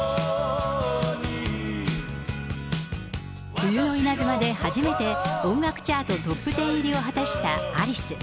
冬の稲妻で初めて音楽チャート、トップテン入りを果たしたアリス。